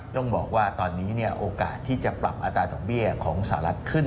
ต้องบอกว่าตอนนี้โอกาสที่จะปรับอัตราดอกเบี้ยของสหรัฐขึ้น